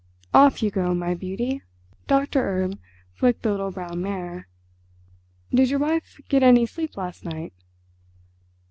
"Off you go, my beauty." Doctor Erb flicked the little brown mare. "Did your wife get any sleep last night?"